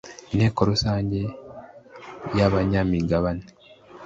inteko rusange y abanyamigabane